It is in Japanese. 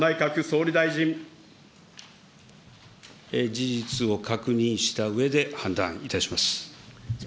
事実を確認したうえで判断いたします。